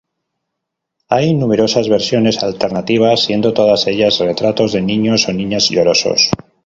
Hay numerosas versiones alternativas, siendo todas ellas retratos de niños o niñas llorosos.